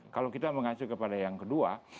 kalau kita mengacu kepada yang kedua